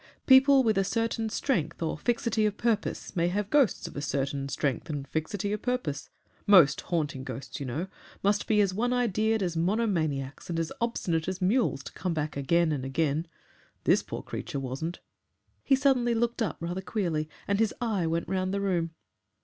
People with a certain strength or fixity of purpose may have ghosts of a certain strength and fixity of purpose most haunting ghosts, you know, must be as one idea'd as monomaniacs and as obstinate as mules to come back again and again. This poor creature wasn't." He suddenly looked up rather queerly, and his eye went round the room.